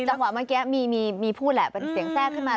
จังหวะเมื่อกี้มีพูดแหละเป็นเสียงแทรกขึ้นมา